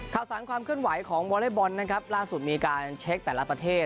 ข่าวสารความเคลื่อนไหวของวอเล็กบอลนะครับล่าสุดมีการเช็คแต่ละประเทศ